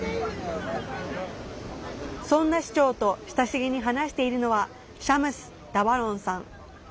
そんな市長と親しげに話しているのはシャムス・ダバロンさん。